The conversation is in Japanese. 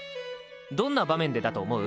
どんな場面でだと思う？